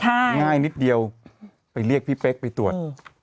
ง่ายนิดเดียวไปเรียกพี่เป๊กไปตรวจ